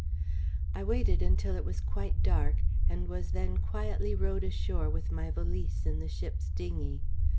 I waited until it was quite dark, and was then quietly rowed ashore with my valise in the ship's dinghy.